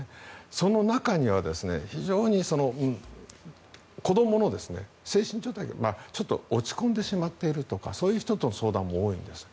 その中には子どもの精神状態がちょっと落ち込んでしまっているとかそういう人の相談も多いんです。